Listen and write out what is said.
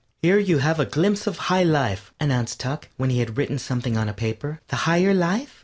"Here you have a glimpse of High Life," announced Tuck, when he had written something on a paper. "The Higher Life?"